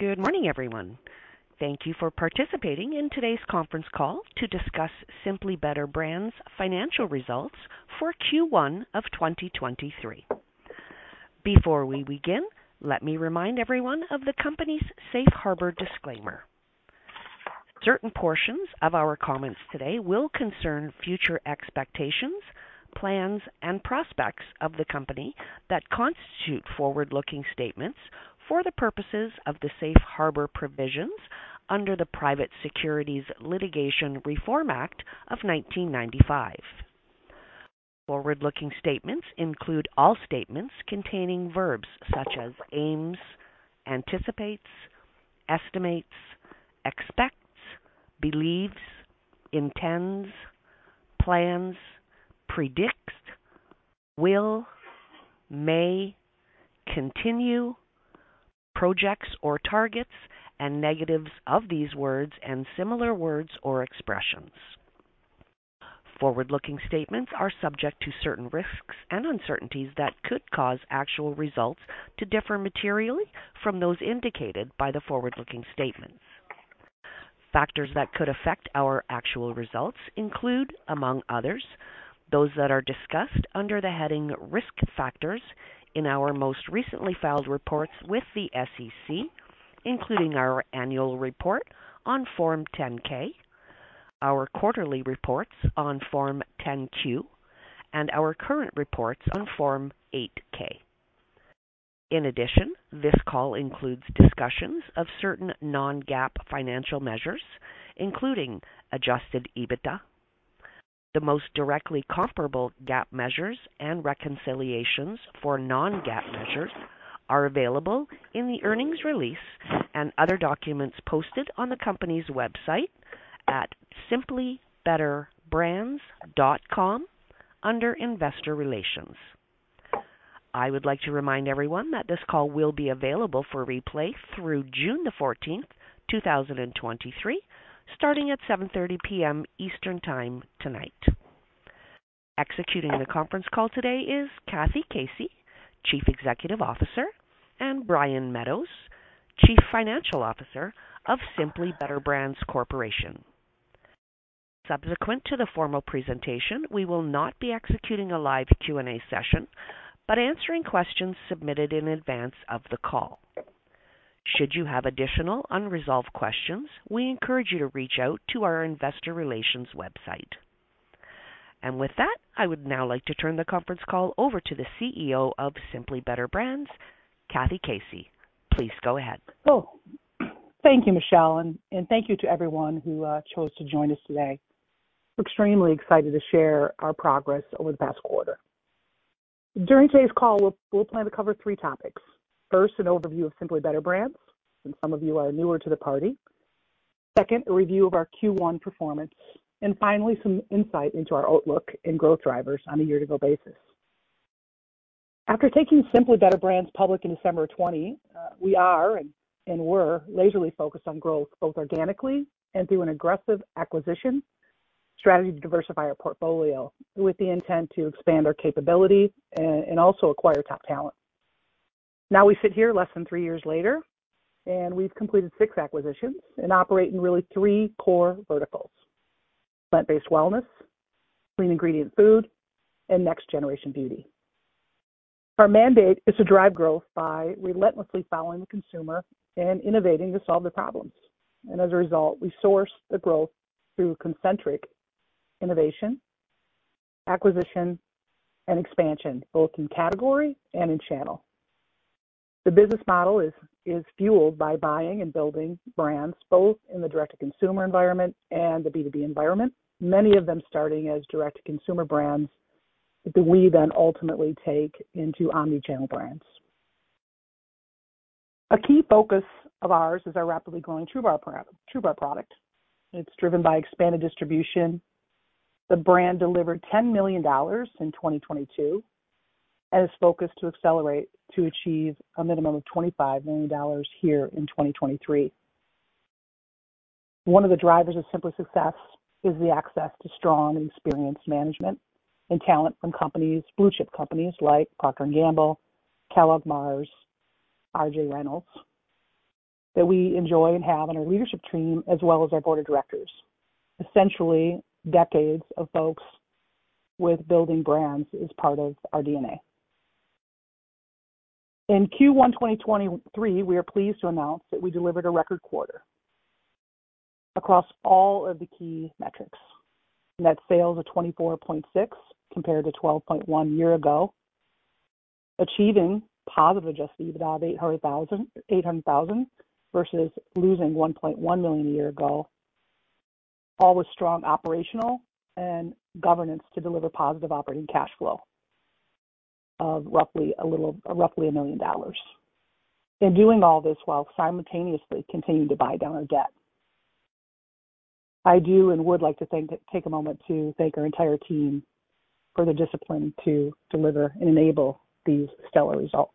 Good morning, everyone. Thank you for participating in today's conference call to discuss Simply Better Brands' financial results for Q1 of 2023. Before we begin, let me remind everyone of the company's Safe Harbor disclaimer. Certain portions of our comments today will concern future expectations, plans, and prospects of the company that constitute forward-looking statements for the purposes of the Safe Harbor provisions under the Private Securities Litigation Reform Act of 1995. Forward-looking statements include all statements containing verbs such as aims, anticipates, estimates, expects, believes, intends, plans, predicts, will, may, continue, projects or targets, and negatives of these words and similar words or expressions. Forward-looking statements are subject to certain risks and uncertainties that could cause actual results to differ materially from those indicated by the forward-looking statements. Factors that could affect our actual results include, among others, those that are discussed under the heading Risk Factors in our most recently filed reports with the SEC, including our annual report on Form 10-K, our quarterly reports on Form 10-Q, and our current reports on Form 8-K. In addition, this call includes discussions of certain non-GAAP financial measures, including adjusted EBITDA. The most directly comparable GAAP measures and reconciliations for non-GAAP measures are available in the earnings release and other documents posted on the company's website at simplybetterbrands.com under Investor Relations. I would like to remind everyone that this call will be available for replay through June 14th, 2023, starting at 7:30 P.M. Eastern Time tonight. Executing the conference call today is Kathy Casey, Chief Executive Officer, and Brian Meadows, Chief Financial Officer of Simply Better Brands Corp. Subsequent to the formal presentation, we will not be executing a live Q&A session, but answering questions submitted in advance of the call. Should you have additional unresolved questions, we encourage you to reach out to our investor relations website. With that, I would now like to turn the conference call over to the CEO of Simply Better Brands, Kathy Casey. Please go ahead. Oh, thank you, Michelle, and thank you to everyone who chose to join us today. Extremely excited to share our progress over the past quarter. During today's call, we'll plan to cover three topics. First, an overview of Simply Better Brands, since some of you are newer to the party. Second, a review of our Q1 performance, and finally, some insight into our outlook and growth drivers on a year-to-go basis. After taking Simply Better Brands public in December of 20, we are and were laserly focused on growth, both organically and through an aggressive acquisition strategy to diversify our portfolio, with the intent to expand our capabilities and also acquire top talent. Now, we sit here less than three years later, and we've completed six acquisitions and operate in really three core verticals: plant-based wellness, clean ingredient food, and next-generation beauty. Our mandate is to drive growth by relentlessly following the consumer and innovating to solve the problems. As a result, we source the growth through concentric innovation, acquisition, and expansion, both in category and in channel. The business model is fueled by buying and building brands, both in the direct-to-consumer environment and the B2B environment, many of them starting as direct-to-consumer brands, that we then ultimately take into omni-channel brands. A key focus of ours is our rapidly growing TRUBAR product. It's driven by expanded distribution. The brand delivered $10 million in 2022, and is focused to accelerate to achieve a minimum of $25 million here in 2023. One of the drivers of Simply Success is the access to strong and experienced management and talent from companies, blue-chip companies like Procter & Gamble, Kellogg, Mars, R.J. Reynolds, that we enjoy and have on our leadership team, as well as our board of directors. Essentially, decades of folks with building brands is part of our DNA. In Q1 2023, we are pleased to announce that we delivered a record quarter across all of the key metrics. Net sales of $24.6, compared to $12.1 year ago, achieving positive adjusted EBITDA of $800 thousand, versus losing $1.1 million a year ago, all with strong operational and governance to deliver positive operating cash flow of roughly $1 million. Doing all this while simultaneously continuing to buy down our debt. take a moment to thank our entire team for the discipline to deliver and enable these stellar results.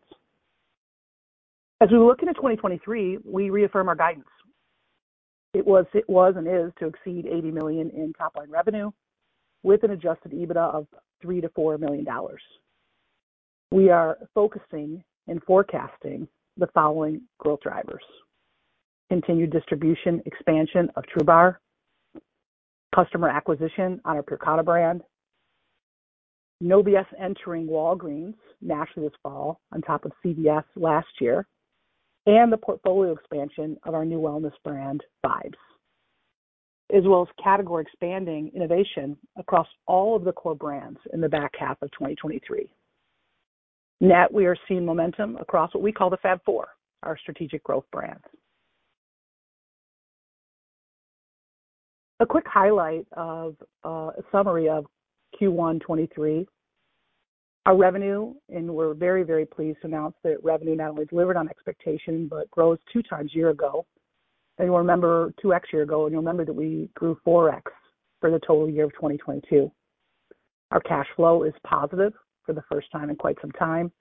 As we look into 2023, we reaffirm our guidance. It was and is to exceed $80 million in top line revenue, with an adjusted EBITDA of $3 million-$4 million. We are focusing and forecasting the following growth drivers: continued distribution, expansion of TRUBAR, customer acquisition on our PureKana brand, No B.S. entering Walgreens nationally this fall on top of CVS last year, and the portfolio expansion of our new wellness brand, Vibez. As well as category expanding innovation across all of the core brands in the back half of 2023. Net, we are seeing momentum across what we call the Fab Four, our strategic growth brands. A quick highlight of a summary of Q1 23. Our revenue, and we're very, very pleased to announce that revenue not only delivered on expectation, but grows 2 times year-ago. You'll remember 2x year ago, you'll remember that we grew 4x for the total year of 2022. Our cash flow is positive for the first time in quite some time,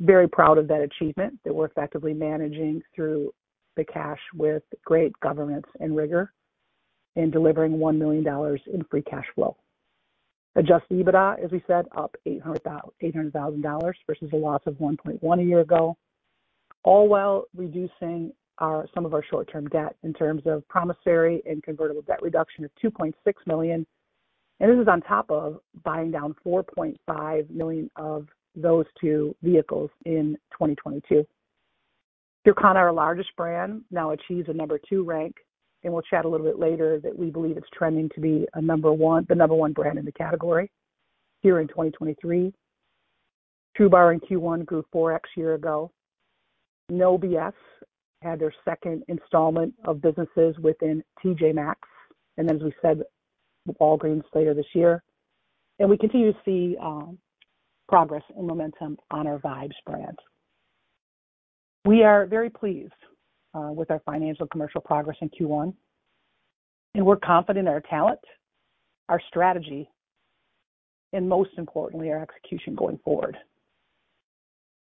very proud of that achievement, that we're effectively managing through the cash with great governance and rigor, and delivering $1 million in free cash flow. adjusted EBITDA, as we said, up $800,000 versus a loss of $1.1 million a year ago, all while reducing some of our short-term debt in terms of promissory and convertible debt reduction of $2.6 million. This is on top of buying down $4.5 million of those two vehicles in 2022. PureKana, our largest brand, now achieves a number two rank, and we'll chat a little bit later that we believe it's trending to be the number one brand in the category here in 2023. TRUBAR in Q1 grew 4x year ago. No B.S. had their second installment of businesses within TJ Maxx, and as we said, with Walgreens later this year. We continue to see progress and momentum on our Vibez brand. We are very pleased with our financial commercial progress in Q1. We're confident in our talent, our strategy, and most importantly, our execution going forward.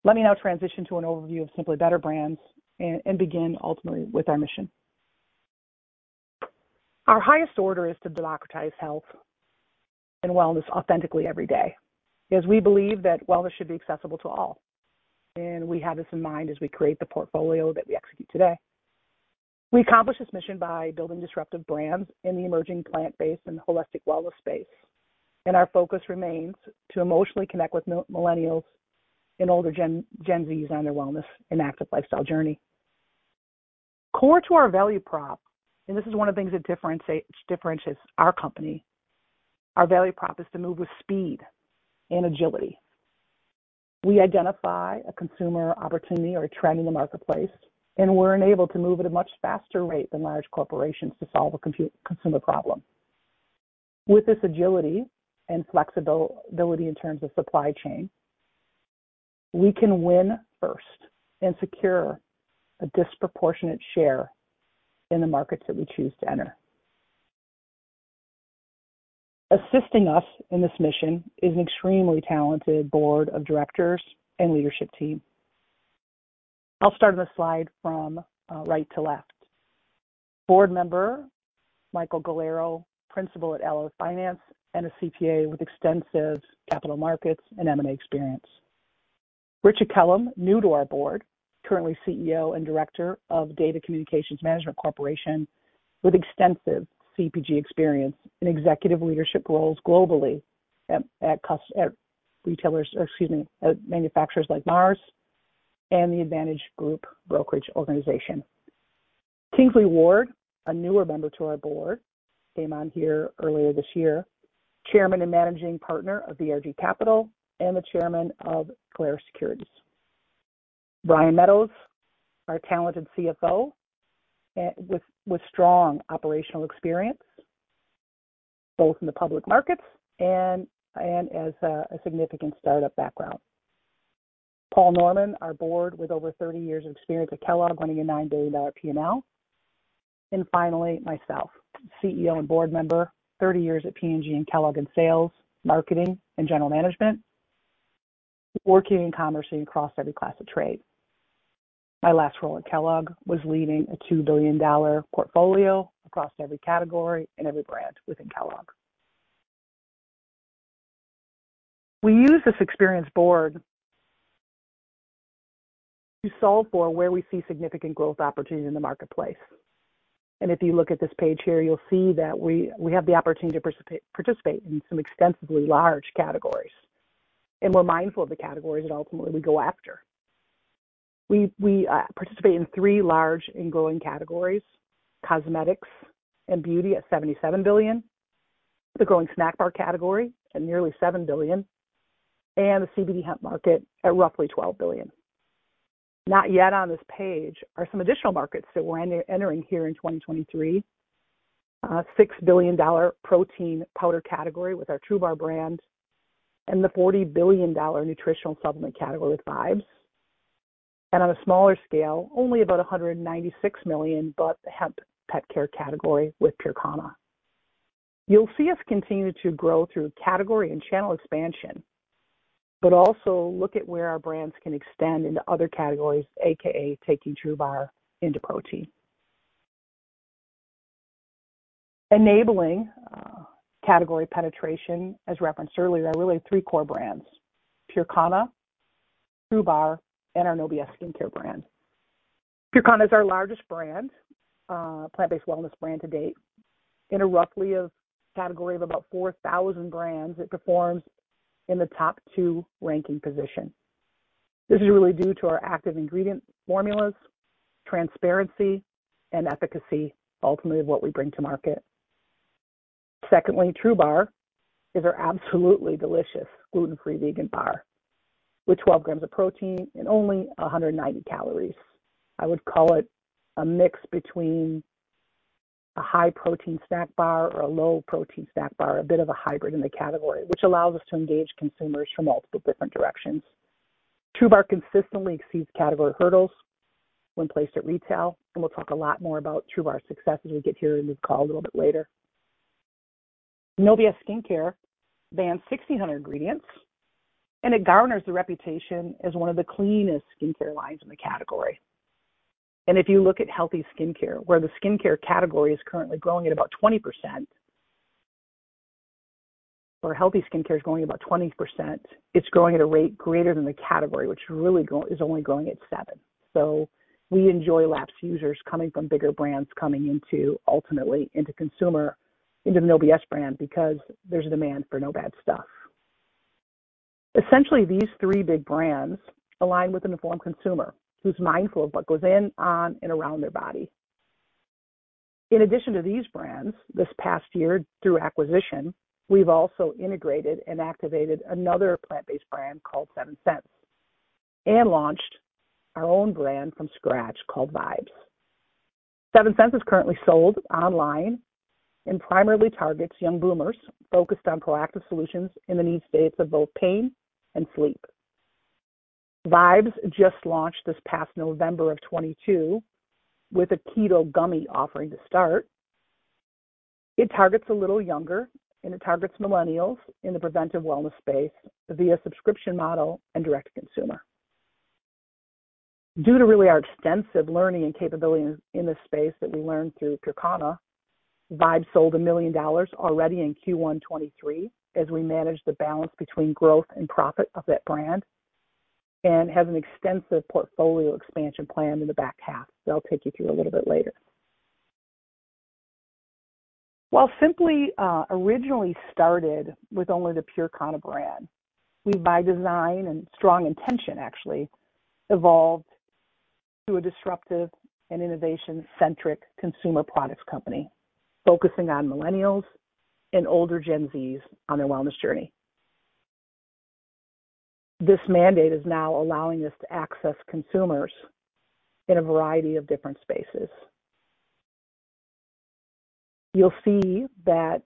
Let me now transition to an overview of Simply Better Brands and begin ultimately with our mission. Our highest order is to democratize health and wellness authentically every day, as we believe that wellness should be accessible to all. We have this in mind as we create the portfolio that we execute today. We accomplish this mission by building disruptive brands in the emerging plant-based and holistic wellness space. Our focus remains to emotionally connect with millennials and older gen, Gen Zs on their wellness and active lifestyle journey. Core to our value prop, this is one of the things that differentiates our company. Our value prop is to move with speed and agility. We identify a consumer opportunity or a trend in the marketplace, we're enabled to move at a much faster rate than large corporations to solve a consumer problem. With this agility and flexibility in terms of supply chain, we can win first and secure a disproportionate share in the markets that we choose to enter. Assisting us in this mission is an extremely talented board of directors and leadership team. I'll start on the slide from right to left. Board member Michael Galloro, Principal at Ellis Finance and a CPA with extensive capital markets and M&A experience. Richard Kellam, new to our board, currently CEO and Director of DATA Communications Management Corp, with extensive CPG experience in executive leadership roles globally at retailers, or excuse me, at manufacturers like Mars and The Advantage Group International. Kingsley Ward, a newer member to our board, came on here earlier this year. Chairman and Managing Partner of VRG Capital and the Chairman of Clarus Securities. Brian Meadows, our talented CFO, with strong operational experience, both in the public markets and as a significant startup background. Paul Norman, our board, with over 30 years of experience at Kellogg, running a $9 billion P&L. Finally, myself, CEO and board member, 30 years at P&G and Kellogg in Sales, Marketing, and General Management, working in commerce and across every class of trade. My last role at Kellogg was leading a $2 billion portfolio across every category and every brand within Kellogg. We use this experienced board to solve for where we see significant growth opportunities in the marketplace. If you look at this page here, you'll see that we have the opportunity to participate in some extensively large categories. We're mindful of the categories that ultimately we go after. We participate in three large and growing categories: cosmetics and beauty at $77 billion, the growing snack bar category at nearly $7 billion, and the CBD hemp market at roughly $12 billion. Not yet on this page are some additional markets that we're entering here in 2023. Six billion dollar protein powder category with our TRUBAR brand, and the $40 billion nutritional supplement category with Vibez, and on a smaller scale, only about $196 million, but the hemp pet care category with PureKana. You'll see us continue to grow through category and channel expansion, but also look at where our brands can extend into other categories, AKA taking TRUBAR into protein. Enabling category penetration, as referenced earlier, there are really three core brands: PureKana, TRUBAR, and our No B.S. Skin Care brand. PureKana is our largest brand, plant-based wellness brand to date. In a category of about 4,000 brands, it performs in the top 2 ranking position. This is really due to our active ingredient formulas, transparency, and efficacy, ultimately, what we bring to market. Secondly, TRUBAR is our absolutely delicious gluten-free vegan bar, with 12 grams of protein and only 190 calories. I would call it a mix between a high-protein snack bar or a low-protein snack bar, a bit of a hybrid in the category, which allows us to engage consumers from multiple different directions. TRUBAR consistently exceeds category hurdles when placed at retail. We'll talk a lot more about TRUBAR's success as we get here in this call a little bit later. No B.S. Skin Care bans 1,600 ingredients, and it garners the reputation as one of the cleanest skincare lines in the category. If you look at healthy skincare, where the skincare category is currently growing at about 20%, or healthy skincare is growing about 20%, it's growing at a rate greater than the category, which really is only growing at 7%. We enjoy lapsed users coming from bigger brands, coming into, ultimately into consumer, into No B.S. brand, because there's a demand for no bad stuff. Essentially, these three big brands align with an informed consumer, who's mindful of what goes in, on, and around their body. In addition to these brands, this past year, through acquisition, we've also integrated and activated another plant-based brand called Seventh Sense, and launched our own brand from scratch called Vibez. Seventh Sense is currently sold online and primarily targets young boomers, focused on proactive solutions in the needs states of both pain and sleep. Vibez just launched this past November of 22 with a keto gummy offering to start. It targets a little younger, and it targets millennials in the preventive wellness space via subscription model and direct consumer. Due to really our extensive learning and capability in this space that we learned through PureKana, Vibez sold $1 million already in Q1 '23, as we manage the balance between growth and profit of that brand, and has an extensive portfolio expansion plan in the back half. That I'll take you through a little bit later. While Simply, originally started with only the PureKana brand, we, by design and strong intention, actually, evolved to a disruptive and innovation-centric consumer products company, focusing on millennials and older Gen Zs on their wellness journey. This mandate is now allowing us to access consumers in a variety of different spaces. You'll see that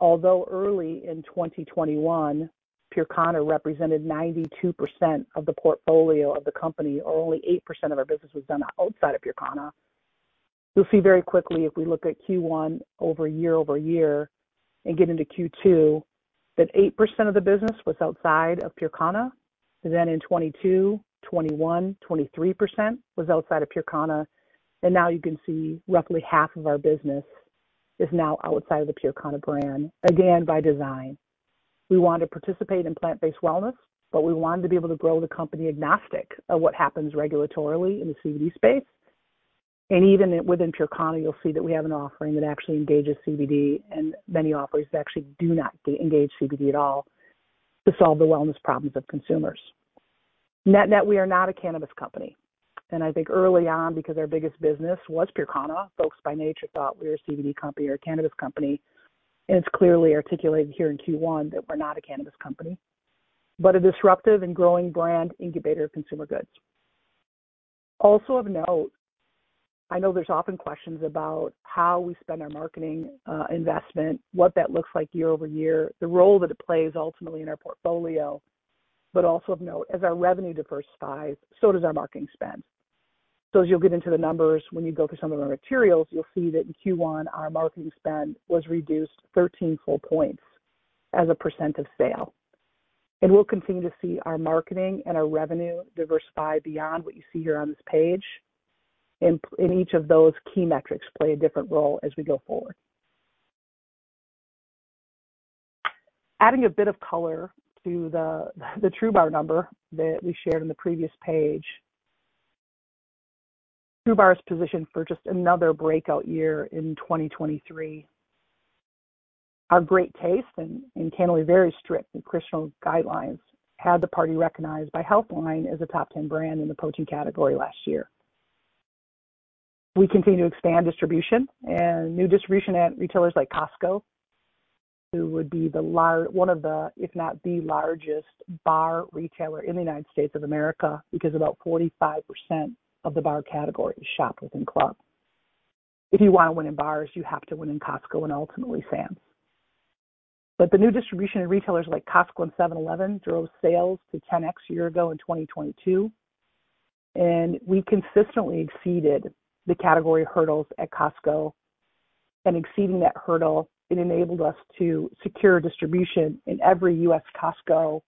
although early in 2021, PureKana represented 92% of the portfolio of the company, or only 8% of our business was done outside of PureKana. You'll see very quickly, if we look at Q1 over year-over-year and get into Q2, that 8% of the business was outside of PureKana. Then in 2022, 21%, 23% was outside of PureKana, and now you can see roughly half of our business is now outside of the PureKana brand. Again, by design, we want to participate in plant-based wellness, but we wanted to be able to grow the company agnostic of what happens regulatorily in the CBD space. Even within PureKana, you'll see that we have an offering that actually engages CBD, and many offerings that actually do not engage CBD at all to solve the wellness problems of consumers. Net net, we are not a cannabis company, and I think early on, because our biggest business was PureKana, folks by nature thought we were a CBD company or a cannabis company. It's clearly articulated here in Q1 that we're not a cannabis company, but a disruptive and growing brand incubator of consumer goods. Also of note, I know there's often questions about how we spend our marketing investment, what that looks like year-over-year, the role that it plays ultimately in our portfolio. Also of note, as our revenue diversifies, so does our marketing spend. As you'll get into the numbers, when you go through some of our materials, you'll see that in Q1, our marketing spend was reduced 13 full points as a % of sale. We'll continue to see our marketing and our revenue diversify beyond what you see here on this page, in each of those key metrics play a different role as we go forward. Adding a bit of color to the TRUBAR number that we shared in the previous page. TRUBAR is positioned for just another breakout year in 2023. Our great taste and candidly, very strict nutritional guidelines, had the party recognized by Healthline as a top 10 brand in the protein category last year. We continue to expand distribution and new distribution at retailers like Costco, who would be one of the, if not the largest bar retailer in the United States of America, because about 45% of the bar category is shopped within club. If you want to win in bars, you have to win in Costco and ultimately Sam's. The new distribution in retailers like Costco and 7-Eleven, drove sales to 10x year ago in 2022, and we consistently exceeded the category hurdles at Costco. Exceeding that hurdle, it enabled us to secure distribution in every U.S. Costco,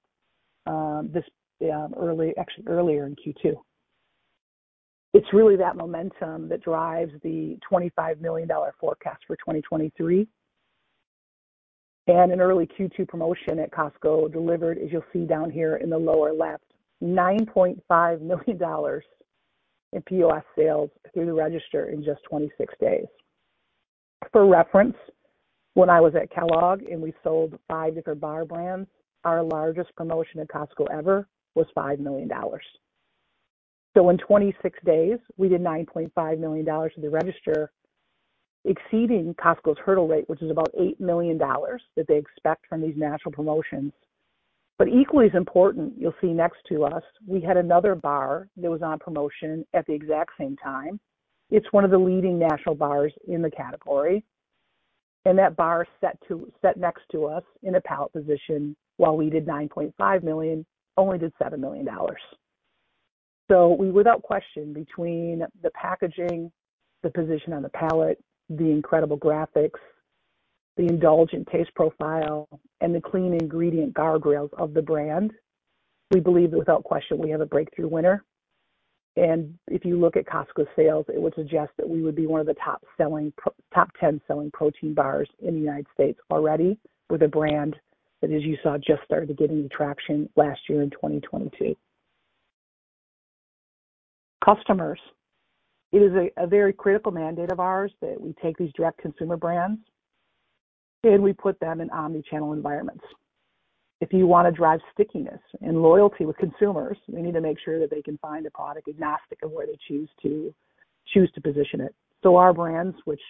this early, actually earlier in Q2. It's really that momentum that drives the $25 million forecast for 2023. An early Q2 promotion at Costco delivered, as you'll see down here in the lower left, $9.5 million in POS sales through the register in just 26 days. For reference, when I was at Kellogg and we sold 5 different bar brands, our largest promotion at Costco ever was $5 million. In 26 days, we did $9.5 million to the register, exceeding Costco's hurdle rate, which is about $8 million that they expect from these national promotions. Equally as important, you'll see next to us, we had another bar that was on promotion at the exact same time. It's one of the leading national bars in the category, that bar set next to us in a pallet position, while we did $9.5 million, only did $7 million. We, without question, between the packaging, the position on the pallet, the incredible graphics, the indulgent taste profile, and the clean ingredient guardrails of the brand, we believe that without question, we have a breakthrough winner. If you look at Costco sales, it would suggest that we would be one of the top 10 selling protein bars in the United States already, with a brand that, as you saw, just started getting traction last year in 2022. Customers. It is a very critical mandate of ours that we take these direct consumer brands, and we put them in omni-channel environments. If you want to drive stickiness and loyalty with consumers, we need to make sure that they can find a product agnostic of where they choose to position it. Our brands, which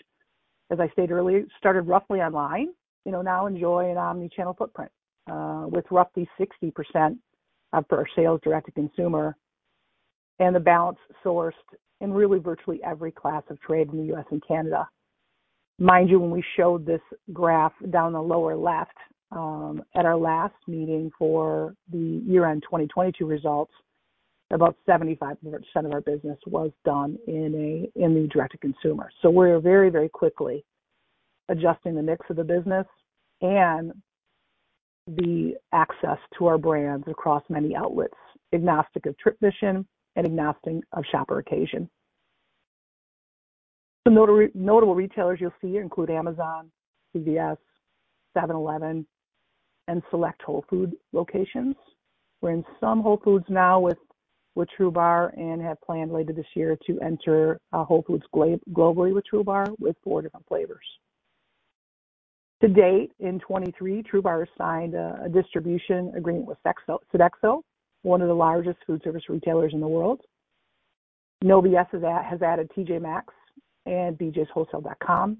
as I stated earlier, started roughly online, you know, now enjoy an omni-channel footprint, with roughly 60% of our sales direct-to-consumer and the balance sourced in really virtually every class of trade in the U.S. and Canada. Mind you, when we showed this graph down the lower left, at our last meeting for the year-end 2022 results, about 75% of our business was done in a, in the direct-to-consumer. We're very, very quickly adjusting the mix of the business and the access to our brands across many outlets, agnostic of trip mission and agnostic of shopper occasion. Some notable retailers you'll see include Amazon, CVS, 7-Eleven, and select Whole Foods locations. We're in some Whole Foods now with TRUBAR and have planned later this year to enter Whole Foods globally with TRUBAR, with 4 different flavors. To date, in 2023, TRUBAR signed a distribution agreement with Sodexo, one of the largest food service retailers in the world. No B.S. has added TJ Maxx and BJ's Wholesale Club.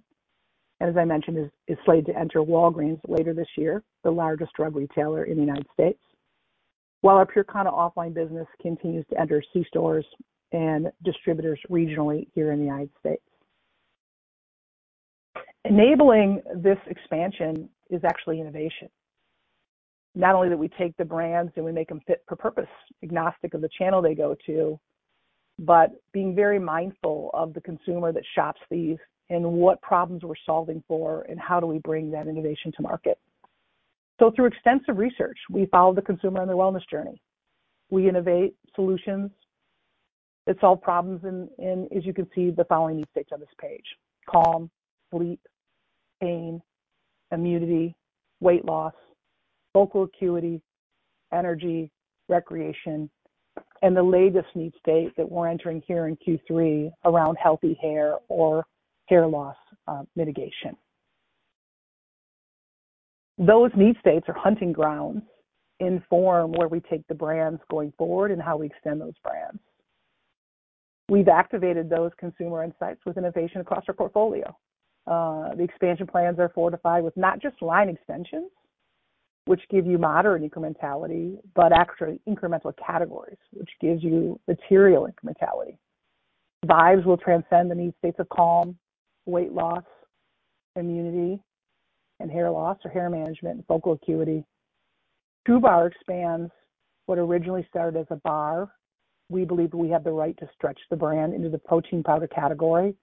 As I mentioned, is slated to enter Walgreens later this year, the largest drug retailer in the United States. While our PureKana offline business continues to enter C-stores and distributors regionally here in the United States. Enabling this expansion is actually innovation. Not only do we take the brands and we make them fit for purpose, agnostic of the channel they go to, but being very mindful of the consumer that shops these and what problems we're solving for, and how do we bring that innovation to market. Through extensive research, we follow the consumer on their wellness journey. We innovate solutions that solve problems in, as you can see, the following need states on this page: calm, sleep, pain, immunity, weight loss, focal acuity, energy, recreation, and the latest need state that we're entering here in Q3 around healthy hair or hair loss mitigation. Those need states are hunting grounds in form, where we take the brands going forward and how we extend those brands. We've activated those consumer insights with innovation across our portfolio. The expansion plans are fortified with not just line extensions, which give you moderate incrementality, but actually incremental categories, which gives you material incrementality. Vibez will transcend the need states of calm, weight loss, immunity, and hair loss or hair management, and focal acuity. TRUBAR expands what originally started as a bar. We believe we have the right to stretch the brand into the protein powder category.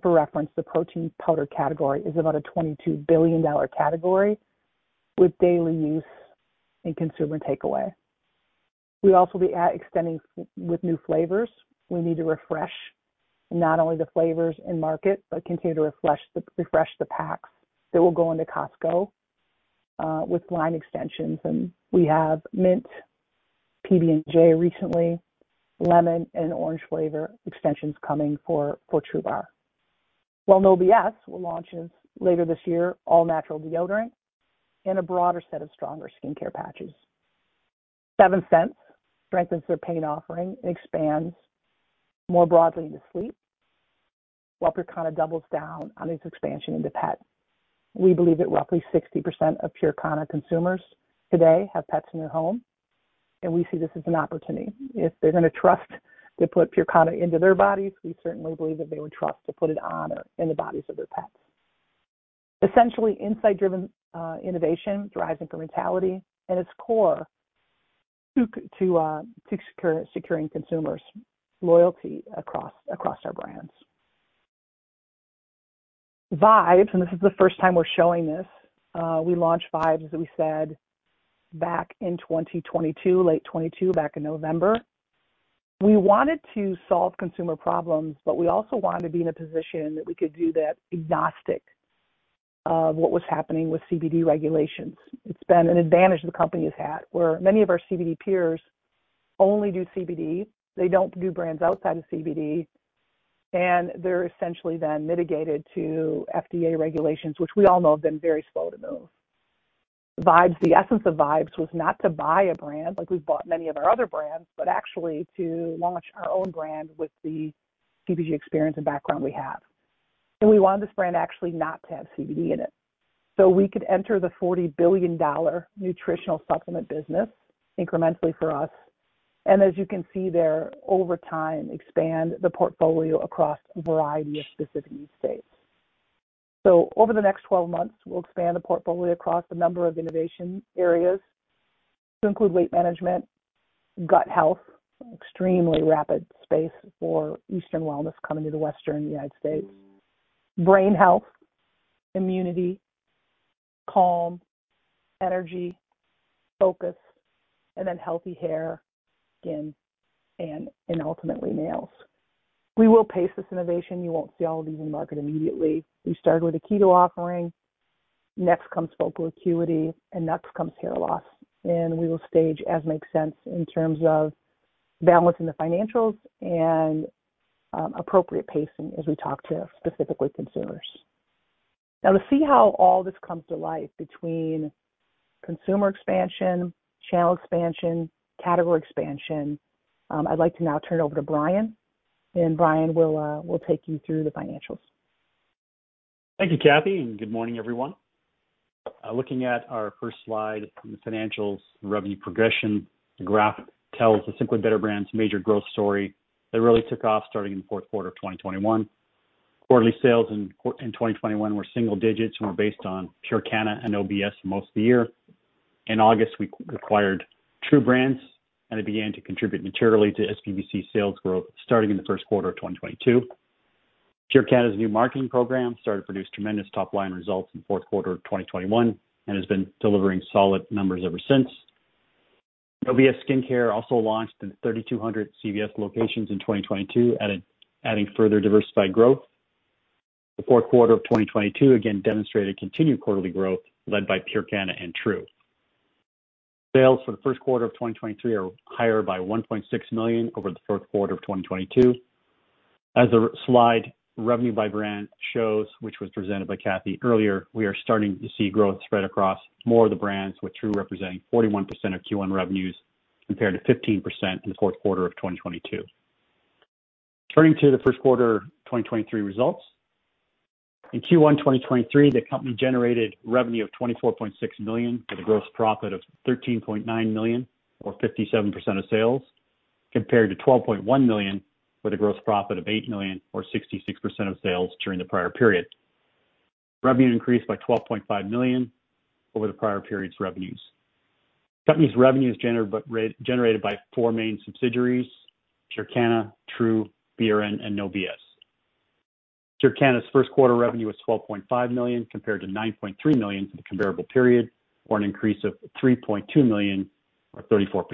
For reference, the protein powder category is about a $22 billion category with daily use and consumer takeaway. We also be extending with new flavors. We need to refresh not only the flavors in market, but continue to refresh the packs that will go into Costco with line extensions. We have mint, PB&J recently, lemon and orange flavor extensions coming for TRUBAR. While No B.S. will launch later this year, all-natural deodorant and a broader set of stronger skincare patches. Seventh Sense strengthens their pain offering and expands more broadly into sleep, while PureKana doubles down on its expansion into pet. We believe that roughly 60% of PureKana consumers today have pets in their home, we see this as an opportunity. If they're going to trust to put PureKana into their bodies, we certainly believe that they would trust to put it on or in the bodies of their pets. Essentially, insight-driven innovation drives incrementality, and it's core to securing consumers' loyalty across our brands. Vibez, and this is the first time we're showing this. We launched Vibez, as we said, back in 2022, late 2022, back in November. We wanted to solve consumer problems, but we also wanted to be in a position that we could do that agnostic of what was happening with CBD regulations. It's been an advantage the company has had, where many of our CBD peers only do CBD. They don't do brands outside of CBD, and they're essentially then mitigated to FDA regulations, which we all know have been very slow to move. Vibez, the essence of Vibez was not to buy a brand like we've bought many of our other brands, but actually to launch our own brand with the CBD experience and background we have. We wanted this brand actually not to have CBD in it. We could enter the $40 billion nutritional supplement business incrementally for us, and as you can see there, over time, expand the portfolio across a variety of specific states. Over the next 12 months, we'll expand the portfolio across a number of innovation areas to include weight management, gut health, extremely rapid space for Eastern wellness coming to the Western United States, brain health, immunity, calm, energy, focus, and ultimately nails. We will pace this innovation. You won't see all of these in market immediately. We started with a keto offering. Next comes focal acuity, next comes hair loss. We will stage as makes sense in terms of balancing the financials and appropriate pacing as we talk to specifically consumers. Now, to see how all this comes to life between consumer expansion, channel expansion, category expansion, I'd like to now turn it over to Brian. Brian will take you through the financials. Thank you, Kathy, and good morning, everyone. Looking at our first slide, the financials revenue progression graph tells the Simply Better Brands' major growth story that really took off starting in the fourth quarter of 2021. Quarterly sales in 2021 were single digits and were based on PureKana and No B.S. for most of the year. In August, we acquired TRU Brands, and it began to contribute materially to SBBC sales growth starting in the first quarter of 2022. PureKana's new marketing program started to produce tremendous top-line results in the fourth quarter of 2021 and has been delivering solid numbers ever since. No B.S. Skin Care also launched in 3,200 CVS locations in 2022, adding further diversified growth. The fourth quarter of 2022 again demonstrated continued quarterly growth led by PureKana and Tru. Sales for the first quarter of 2023 are higher by $1.6 million over the fourth quarter of 2022. As the slide revenue by brand shows, which was presented by Kathy earlier, we are starting to see growth spread across more of the brands, with Tru representing 41% of Q1 revenues, compared to 15% in the fourth quarter of 2022. Turning to the first quarter of 2023 results. In Q1 2023, the company generated revenue of $24.6 million, with a gross profit of $13.9 million, or 57% of sales, compared to $12.1 million, with a gross profit of $8 million, or 66% of sales during the prior period. Revenue increased by $12.5 million over the prior period's revenues. Company's revenue is generated by four main subsidiaries, PureKana, Tru, BRN, and No B.S. PureKana's first quarter revenue was $12.5 million, compared to $9.3 million for the comparable period, or an increase of $3.2 million, or 34%.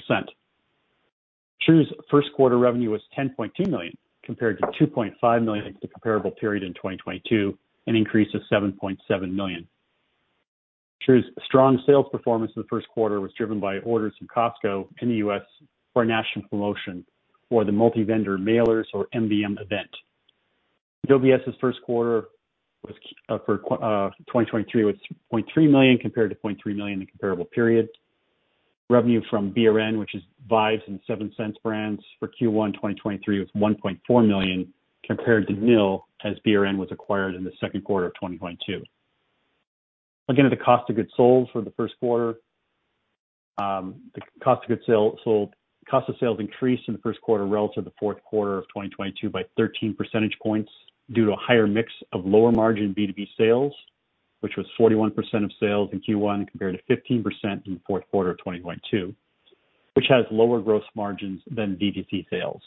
Tru's first quarter revenue was $10.2 million, compared to $2.5 million in the comparable period in 2022, an increase of $7.7 million. Tru's strong sales performance in the first quarter was driven by orders from Costco in the U.S. for a national promotion for the Multi-Vendor Mailers or MVM event. No B.S.'s first quarter for 2023 was $0.3 million, compared to $0.3 million in comparable period. Revenue from BRN, which is Vibez and Seventh Sense brands for Q1 2023, was $1.4 million, compared to nil, as BRN was acquired in the second quarter of 2022. Looking at the cost of goods sold for the first quarter, the cost of sales increased in the first quarter relative to the fourth quarter of 2022 by 13 percentage points due to a higher mix of lower margin B2B sales, which was 41% of sales in Q1, compared to 15% in the fourth quarter of 2022, which has lower gross margins than B2C sales.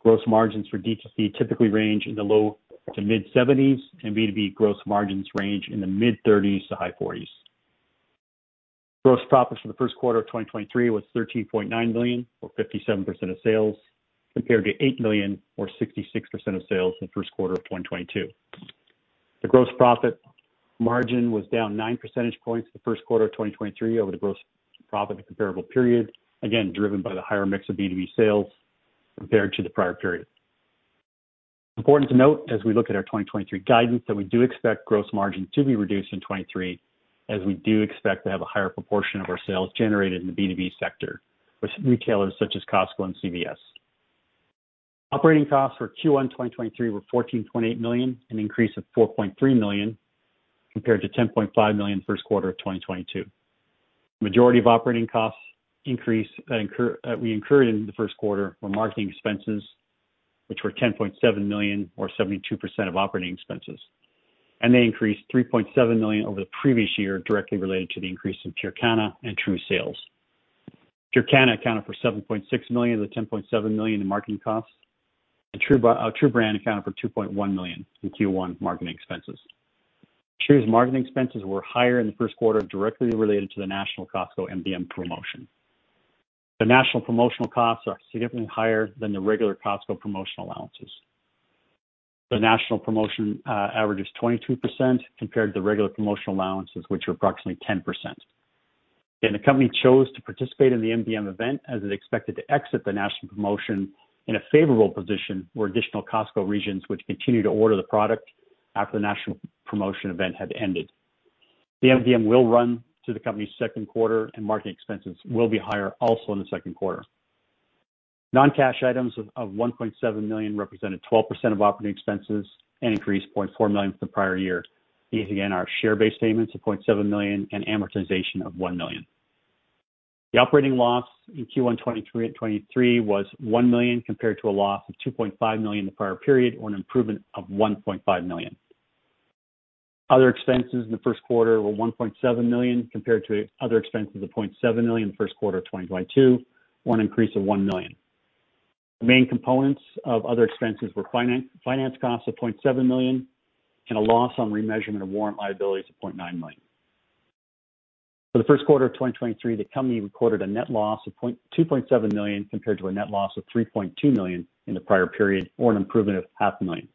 Gross margins for B2C typically range in the low to mid-70s, and B2B gross margins range in the mid-30s to high 40s. Gross profits for the first quarter of 2023 was $13.9 million, or 57% of sales, compared to $8 million, or 66% of sales in the first quarter of 2022. The gross profit margin was down 9 percentage points in the first quarter of 2023 over the gross profit comparable period, again, driven by the higher mix of B2B sales compared to the prior period. Important to note, as we look at our 2023 guidance, that we do expect gross margin to be reduced in 2023, as we do expect to have a higher proportion of our sales generated in the B2B sector, with retailers such as Costco and CVS. Operating costs for Q1 2023 were $14.8 million, an increase of $4.3 million, compared to $10.5 million first quarter of 2022. Majority of operating costs increase that we incurred in the first quarter were marketing expenses, which were $10.7 million, or 72% of operating expenses. They increased $3.7 million over the previous year, directly related to the increase in PureKana and Tru sales. PureKana accounted for $7.6 million of the $10.7 million in marketing costs. TRU Brands accounted for $2.1 million in Q1 marketing expenses. Tru's marketing expenses were higher in the first quarter, directly related to the national Costco MVM promotion. The national promotional costs are significantly higher than the regular Costco promotional allowances. The national promotion average is 22% compared to the regular promotional allowances, which are approximately 10%. The company chose to participate in the MVM event as it expected to exit the national promotion in a favorable position, where additional Costco regions would continue to order the product after the national promotion event had ended. The MVM will run to the company's second quarter, and marketing expenses will be higher also in the second quarter. Non-cash items of $1.7 million represented 12% of operating expenses and increased $0.4 million from the prior year. These again, are share-based payments of $0.7 million and amortization of $1 million. The operating loss in Q1 2023 was $1 million, compared to a loss of $2.5 million in the prior period, or an improvement of $1.5 million. Other expenses in the first quarter were $1.7 million, compared to other expenses of $0.7 million in the first quarter of 2022, or an increase of $1 million. The main components of other expenses were finance costs of $0.7 million, and a loss on remeasurement of warrant liabilities of $0.9 million. For the first quarter of 2023, the company recorded a net loss of $2.7 million, compared to a net loss of $3.2 million in the prior period, or an improvement of half a million.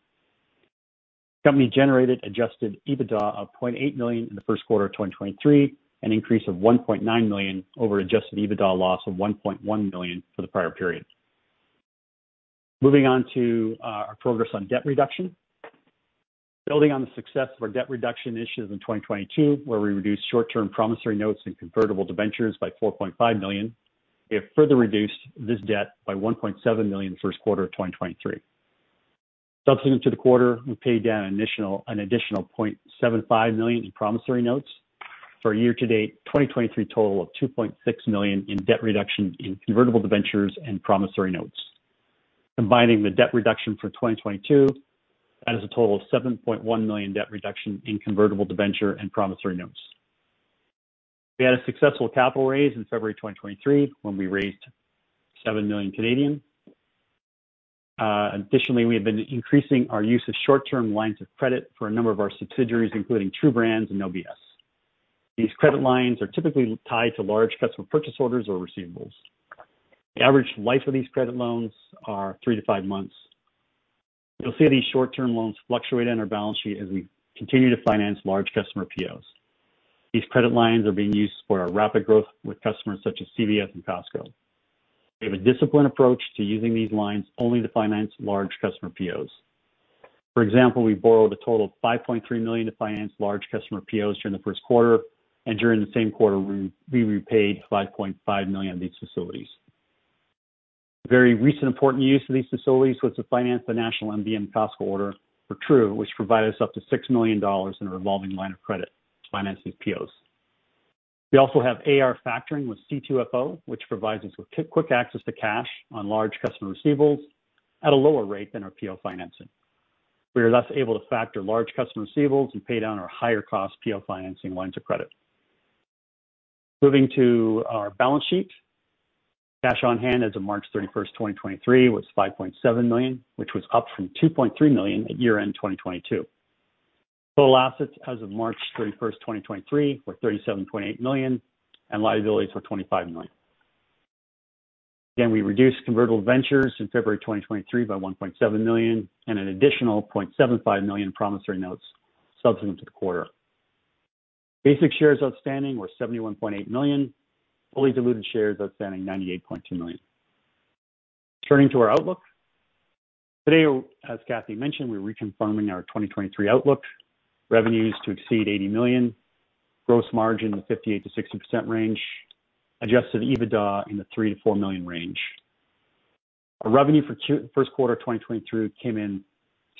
The company generated adjusted EBITDA of $0.8 million in the first quarter of 2023, an increase of $1.9 million over adjusted EBITDA loss of $1.1 million for the prior period. Moving on to our progress on debt reduction. Building on the success of our debt reduction initiatives in 2022, where we reduced short-term promissory notes and convertible debentures by $4.5 million, we have further reduced this debt by $1.7 million in the first quarter of 2023. Subsequent to the quarter, we paid down an additional $0.75 million in promissory notes for a year to date 2023 total of $2.6 million in debt reduction in convertible debentures and promissory notes. Combining the debt reduction for 2022, that is a total of $7.1 million debt reduction in convertible debenture and promissory notes. We had a successful capital raise in February 2023, when we raised 7 million. Additionally, we have been increasing our use of short-term lines of credit for a number of our subsidiaries, including TRU Brands and No B.S. These credit lines are typically tied to large customer purchase orders or receivables. The average life of these credit loans are 3-5 months. You'll see these short-term loans fluctuate on our balance sheet as we continue to finance large customer POs. These credit lines are being used for our rapid growth with customers such as CVS and Costco. We have a disciplined approach to using these lines only to finance large customer POs. For example, we borrowed a total of $5.3 million to finance large customer POs during the first quarter, and during the same quarter, we repaid $5.5 million of these facilities. A very recent important use of these facilities was to finance the national MVM Costco order for Tru, which provided us up to $6 million in a revolving line of credit to finance these POs. We also have AR factoring with C2FO, which provides us with quick access to cash on large customer receivables at a lower rate than our PO financing. We are thus able to factor large customer receivables and pay down our higher cost PO financing lines of credit. Moving to our balance sheet. Cash on hand as of March 31st, 2023, was $5.7 million, which was up from $2.3 million at year-end 2022. Total assets as of March 31st, 2023, were $37.8 million, and liabilities were $25 million. We reduced convertible debentures in February 2023 by $1.7 million, and an additional $0.75 million promissory notes subsequent to the quarter. Basic shares outstanding were 71.8 million, fully diluted shares outstanding, 98.2 million. Turning to our outlook. Today, as Kathy mentioned, we're reconfirming our 2023 outlook. Revenues to exceed $80 million, gross margin in the 58%-60% range, adjusted EBITDA in the $3 million-$4 million range. Our revenue for first quarter 2023 came in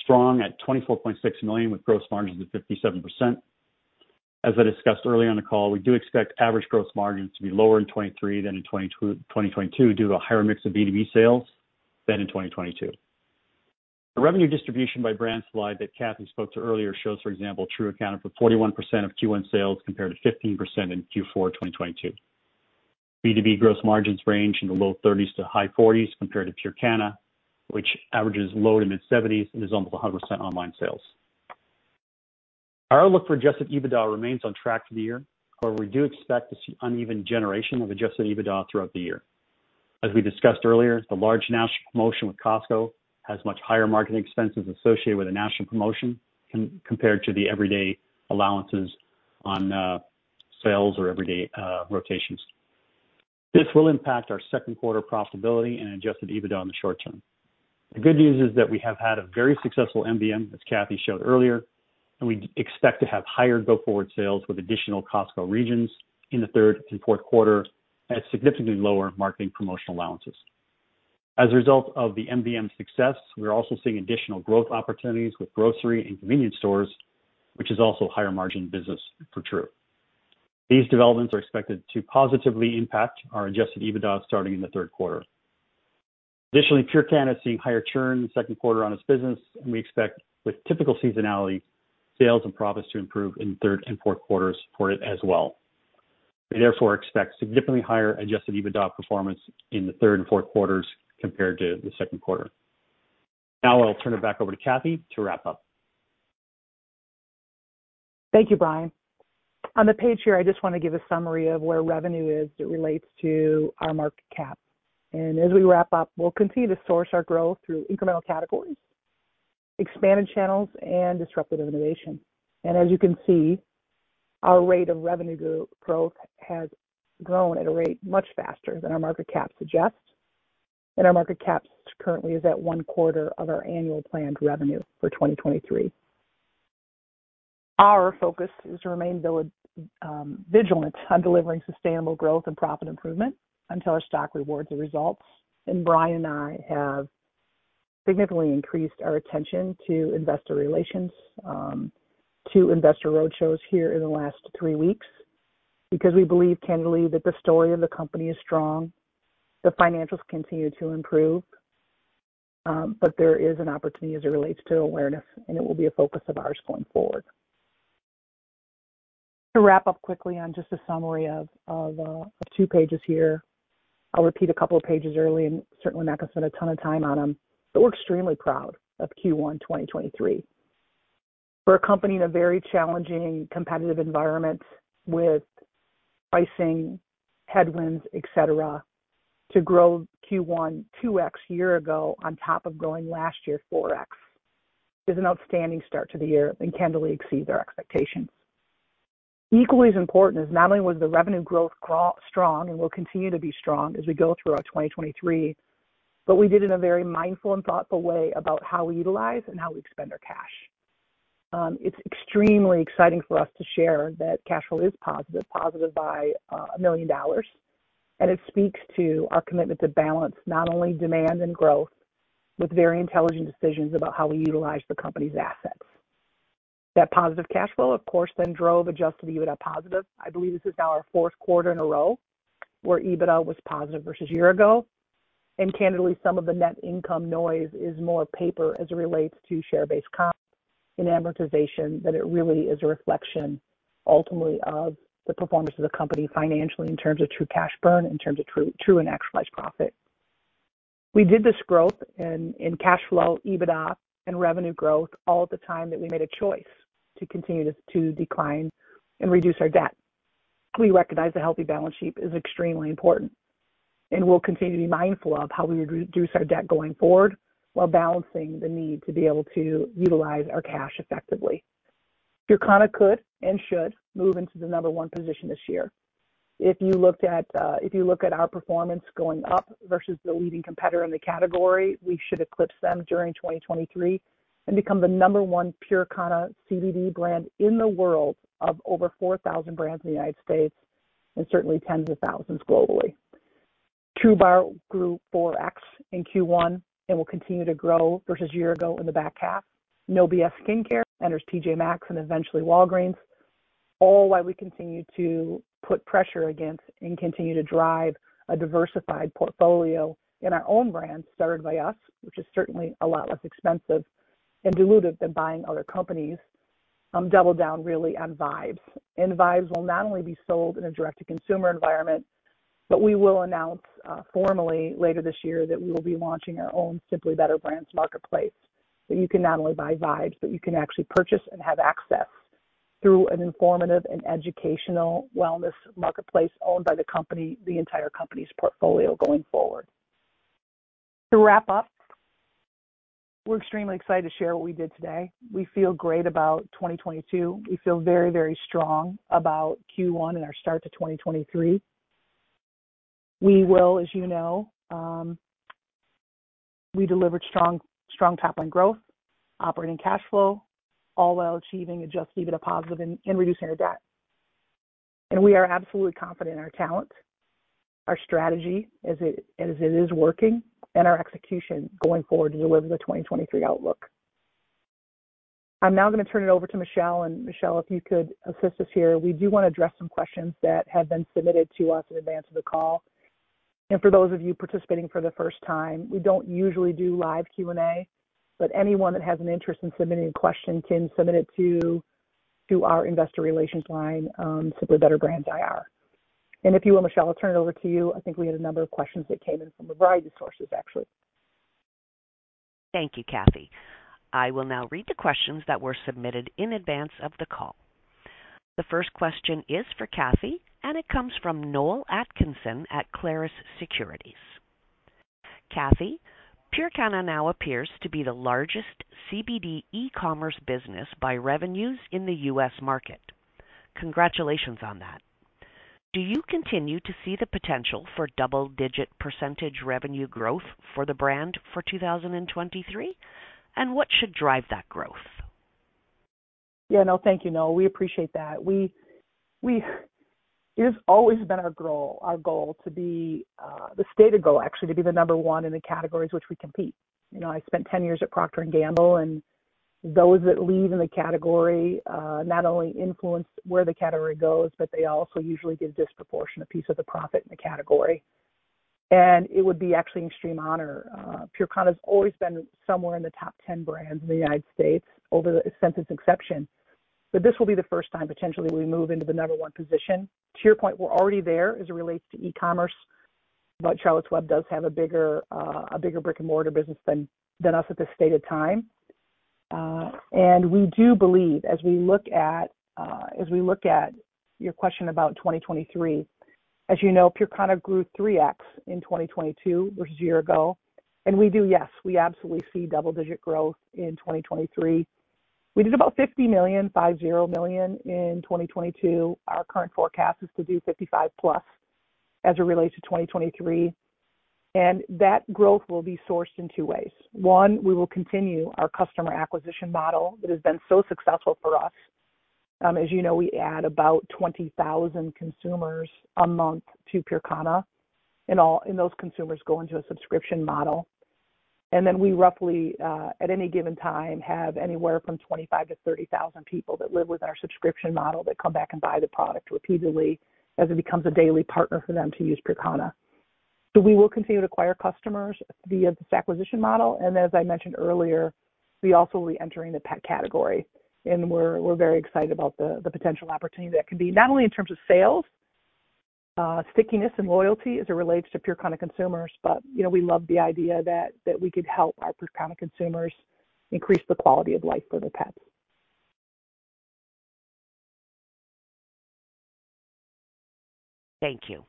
strong at $24.6 million with gross margins of 57%. I discussed earlier on the call, we do expect average gross margins to be lower in 2023 than in 2022, due to a higher mix of B2B sales than in 2022. The revenue distribution by brands slide that Kathy spoke to earlier shows, for example, Tru accounted for 41% of Q1 sales, compared to 15% in Q4 2022. B2B gross margins range in the low 30s to high 40s, compared to PureKana, which averages low to mid-70s and is almost 100% online sales. Our outlook for adjusted EBITDA remains on track for the year, however, we do expect to see uneven generation of adjusted EBITDA throughout the year. As we discussed earlier, the large national promotion with Costco has much higher marketing expenses associated with a national promotion compared to the everyday allowances on sales or everyday rotations. This will impact our second quarter profitability and adjusted EBITDA in the short term. The good news is that we have had a very successful MBM, as Kathy showed earlier, and we expect to have higher go forward sales with additional Costco regions in the third and fourth quarter at significantly lower marketing promotional allowances. As a result of the MBM success, we are also seeing additional growth opportunities with grocery and convenience stores, which is also a higher margin business for Tru. These developments are expected to positively impact our adjusted EBITDA starting in the third quarter. PureKana is seeing higher churn in the second quarter on its business, and we expect, with typical seasonality, sales and profits to improve in third and fourth quarters for it as well. We expect significantly higher adjusted EBITDA performance in the third and fourth quarters compared to the second quarter. I'll turn it back over to Kathy to wrap up. Thank you, Brian. On the page here, I just want to give a summary of where revenue is as it relates to our market cap. As we wrap up, we'll continue to source our growth through incremental categories, expanded channels, and disruptive innovation. As you can see, our rate of revenue growth has grown at a rate much faster than our market cap suggests. Our market cap currently is at one quarter of our annual planned revenue for 2023. Our focus is to remain vigilant on delivering sustainable growth and profit improvement until our stock rewards the results. Brian and I have significantly increased our attention to investor relations, 2 investor roadshows here in the last 3 weeks, because we believe, candidly, that the story of the company is strong. The financials continue to improve. There is an opportunity as it relates to awareness. It will be a focus of ours going forward. To wrap up quickly on just a summary of 2 pages here. I'll repeat a couple of pages early and certainly not going to spend a ton of time on them, but we're extremely proud of Q1 2023. We're a company in a very challenging, competitive environment with pricing headwinds, et cetera. To grow Q1 2x year ago on top of growing last year 4x is an outstanding start to the year and candidly exceeds our expectations. Equally as important is not only was the revenue growth grow strong and will continue to be strong as we go throughout 2023, we did it in a very mindful and thoughtful way about how we utilize and how we spend our cash. It's extremely exciting for us to share that cash flow is positive by $1 million. It speaks to our commitment to balance not only demand and growth, with very intelligent decisions about how we utilize the company's assets. That positive cash flow, of course, drove adjusted EBITDA positive. I believe this is now our fourth quarter in a row where EBITDA was positive versus a year ago. Candidly, some of the net income noise is more paper as it relates to share-based comp and amortization, than it really is a reflection ultimately of the performance of the company financially, in terms of true cash burn, in terms of true and actualized profit. We did this growth in cash flow, EBITDA, and revenue growth all at the time that we made a choice to continue to decline and reduce our debt. We recognize a healthy balance sheet is extremely important, and we'll continue to be mindful of how we reduce our debt going forward, while balancing the need to be able to utilize our cash effectively. PureKana could and should move into the number one position this year. If you looked at, if you look at our performance going up versus the leading competitor in the category, we should eclipse them during 2023 and become the number one PureKana CBD brand in the world, of over 4,000 brands in the United States, and certainly tens of thousands globally. TRUBAR grew 4x in Q1 and will continue to grow versus year ago in the back half. No B.S. Skin Care enters TJ Maxx and eventually Walgreens. All while we continue to put pressure against and continue to drive a diversified portfolio in our own brands, started by us, which is certainly a lot less expensive and dilutive than buying other companies. Double down really on Vibez. Vibez will not only be sold in a direct-to-consumer environment, but we will announce formally later this year, that we will be launching our own Simply Better Brands marketplace. That you can not only buy Vibez, but you can actually purchase and have access through an informative and educational wellness marketplace owned by the company, the entire company's portfolio going forward. To wrap up, we're extremely excited to share what we did today. We feel great about 2022. We feel very strong about Q1 and our start to 2023. We will, as you know, we delivered strong top-line growth, operating cash flow, all while achieving adjusted EBITDA positive and reducing our debt. We are absolutely confident in our talent, our strategy, as it is working, and our execution going forward to deliver the 2023 outlook. I'm now going to turn it over to Michelle. Michelle, if you could assist us here. We do want to address some questions that have been submitted to us in advance of the call. For those of you participating for the first time, we don't usually do live Q&A, but anyone that has an interest in submitting a question can submit it to our investor relations line, Simply Better Brands IR. If you will, Michelle, I'll turn it over to you. I think we had a number of questions that came in from a variety of sources, actually. Thank you, Kathy. I will now read the questions that were submitted in advance of the call. The first question is for Kathy, and it comes from Noel Atkinson at Clarus Securities. Kathy, PureKana now appears to be the largest CBD e-commerce business by revenues in the U.S. market. Congratulations on that. Do you continue to see the potential for double-digit percentage revenue growth for the brand for 2023? What should drive that growth? Yeah, Noel. Thank you, Noel. We appreciate that. It has always been our goal, to be the stated goal actually, to be the number 1 in the categories which we compete. You know, I spent 10 years at Procter & Gamble. Those that lead in the category, not only influence where the category goes, but they also usually get a disproportionate piece of the profit in the category. It would be actually an extreme honor. PureKana has always been somewhere in the top 10 brands in the United States over the, since its inception, but this will be the first time potentially we move into the number 1 position. To your point, we're already there as it relates to e-commerce, but Charlotte's Web does have a bigger brick-and-mortar business than us at this state of time. We do believe as we look at, as we look at your question about 2023. As you know, PureKana grew 3x in 2022, which is a year ago, we do, yes, we absolutely see double-digit growth in 2023. We did about $50 million, $50 million in 2022. Our current forecast is to do $55+ as it relates to 2023, that growth will be sourced in two ways. One, we will continue our customer acquisition model that has been so successful for us. As you know, we add about 20,000 consumers a month to PureKana, those consumers go into a subscription model. We roughly, at any given time, have anywhere from 25,000-30,000 people that live within our subscription model, that come back and buy the product repeatedly as it becomes a daily partner for them to use PureKana. We will continue to acquire customers via this acquisition model. As I mentioned earlier, we also will be entering the pet category, and we're very excited about the potential opportunity that can be. Not only in terms of sales, stickiness, and loyalty as it relates to PureKana consumers, but you know, we love the idea that we can help our PureKana consumers increase the quality of life for their pets. Thank you.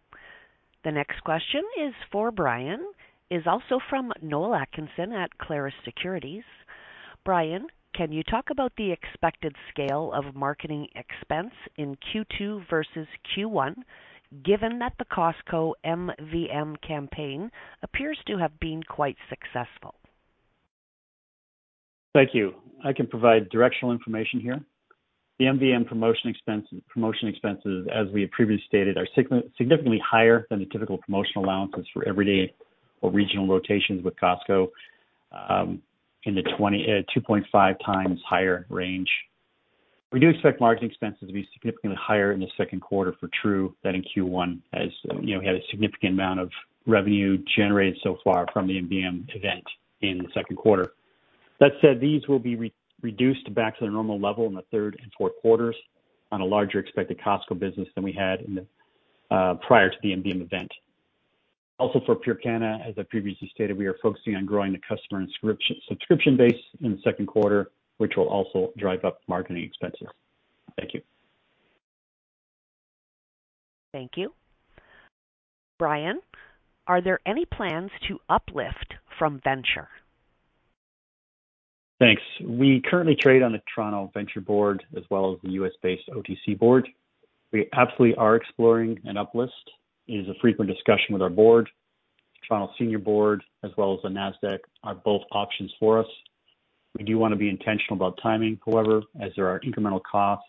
The next question is for Brian, is also from Noel Atkinson at Clarus Securities. Brian, can you talk about the expected scale of marketing expense in Q2 versus Q1, given that the Costco MVM campaign appears to have been quite successful? Thank you. I can provide directional information here. The MVM promotion expenses, as we have previously stated, are significantly higher than the typical promotional allowances for everyday or regional rotations with Costco, in the 2.5 times higher range. We do expect marketing expenses to be significantly higher in the second quarter for Tru, than in Q1. As you know, we had a significant amount of revenue generated so far from the MVM event in the second quarter. That said, these will be reduced back to the normal level in the third and fourth quarters on a larger expected Costco business than we had in the prior to the MVM event. For PureKana, as I previously stated, we are focusing on growing the customer subscription base in the second quarter, which will also drive up marketing expenses. Thank you. Thank you. Brian, are there any plans to uplift from Venture? Thanks. We currently trade on the Toronto Venture Board, as well as the U.S.-based OTC board. We absolutely are exploring an uplist. It is a frequent discussion with our board. Toronto Senior Board, as well as the Nasdaq, are both options for us. We do want to be intentional about timing, however, as there are incremental costs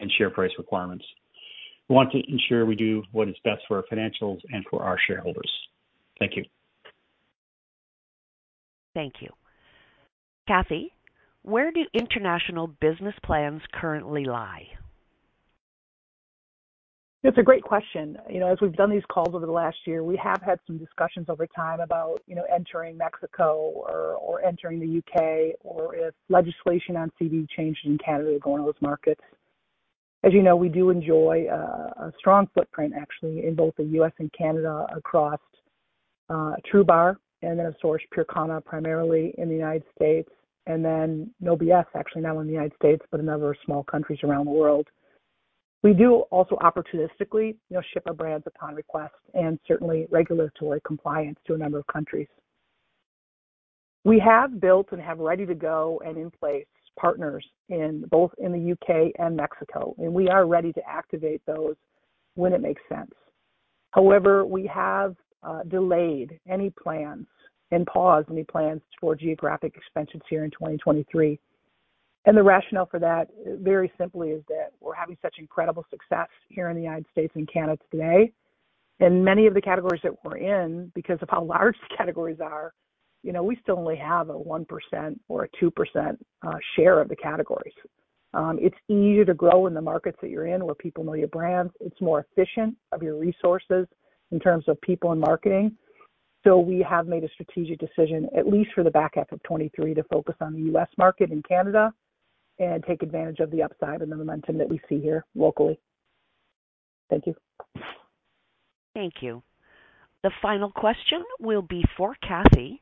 and share price requirements. We want to ensure we do what is best for our financials and for our shareholders. Thank you. Thank you. Kathy, where do international business plans currently lie? It's a great question. You know, as we've done these calls over the last year, we have had some discussions over time about, you know, entering Mexico or entering the U.K., or if legislation on CBD changed in Canada, going to those markets. As you know, we do enjoy a strong footprint actually in both the U.S. and Canada, across TRUBAR and then of course, PureKana, primarily in the United States, and then No B.S., actually, not only in the United States, but a number of small countries around the world. We do also opportunistically, you know, ship our brands upon request and certainly regulatory compliance to a number of countries. We have built and have ready to go and in place, partners in both in the U.K. and Mexico, and we are ready to activate those when it makes sense. However, we have delayed any plans and paused any plans for geographic expansions here in 2023. The rationale for that, very simply, is that we're having such incredible success here in the United States and Canada today. Many of the categories that we're in, because of how large the categories are, you know, we still only have a 1% or a 2% share of the categories. It's easier to grow in the markets that you're in, where people know your brands. It's more efficient of your resources in terms of people and marketing. We have made a strategic decision, at least for the back half of 2023, to focus on the U.S. market and Canada, and take advantage of the upside and the momentum that we see here locally. Thank you. Thank you. The final question will be for Kathy.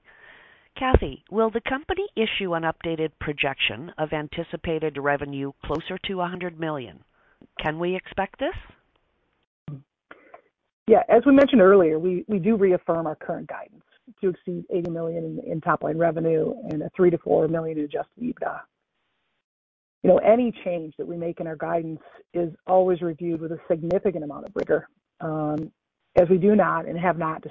Kathy, will the company issue an updated projection of anticipated revenue closer to $100 million? Can we expect this? As we mentioned earlier, we do reaffirm our current guidance to exceed $80 million in top-line revenue and a $3 million-$4 million adjusted EBITDA. You know, any change that we make in our guidance is always reviewed with a significant amount of rigor, as we do not and have not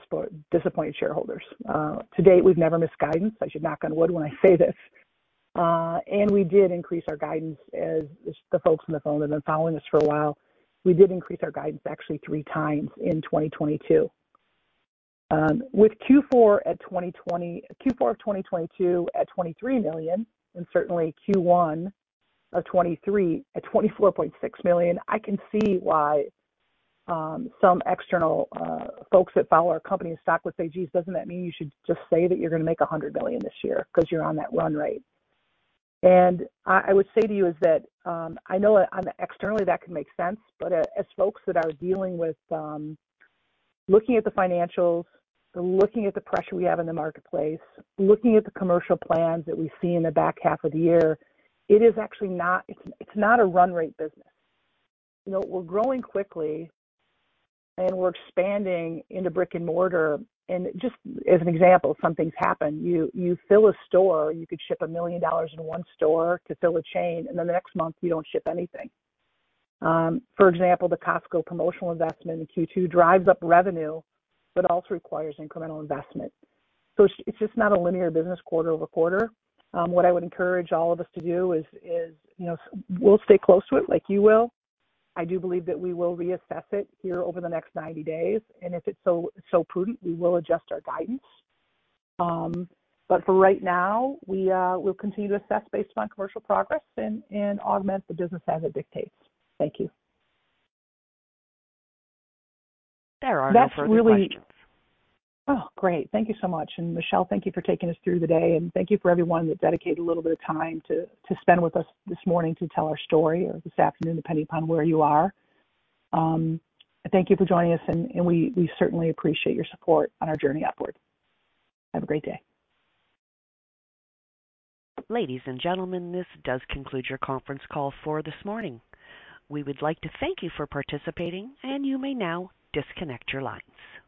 disappointed shareholders. To date, we've never missed guidance. I should knock on wood when I say this. We did increase our guidance, as the folks on the phone have been following us for a while, we did increase our guidance actually three times in 2022. With Q4 2020, Q4 2022 at $23 million, and certainly Q1 2023 at $24.6 million, I can see why some external folks that follow our company's stock would say, "Geez, doesn't that mean you should just say that you're going to make $100 billion this year because you're on that run rate?" I would say to you is that I know on the externally that can make sense, but as folks that are dealing with looking at the financials, looking at the pressure we have in the marketplace, looking at the commercial plans that we see in the back half of the year, it is actually not, it's not a run rate business. You know, we're growing quickly, and we're expanding into brick-and-mortar. Just as an example, some things happen. You fill a store, you could ship $1 million in one store to fill a chain, then the next month, you don't ship anything. For example, the Costco promotional investment in Q2 drives up revenue, but also requires incremental investment. It's just not a linear business quarter-over-quarter. What I would encourage all of us to do is, you know, we'll stay close to it, like you will. I do believe that we will reassess it here over the next 90 days, and if it's so prudent, we will adjust our guidance. For right now, we will continue to assess based upon commercial progress and augment the business as it dictates. Thank you. There are no further questions. Oh, great. Thank you so much. Michelle, thank you for taking us through the day, and thank you for everyone that dedicated a little bit of time to spend with us this morning to tell our story or this afternoon, depending upon where you are. Thank you for joining us, and we certainly appreciate your support on our journey upward. Have a great day. Ladies and gentlemen, this does conclude your conference call for this morning. We would like to thank you for participating. You may now disconnect your lines.